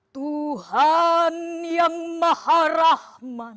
tuhan yang maha rahman